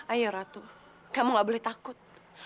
ayo ratu kamu gak boleh takut